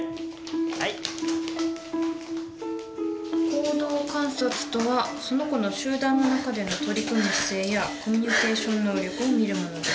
「行動観察とはその子の集団の中での取り組む姿勢やコミュニケーション能力を見るものです」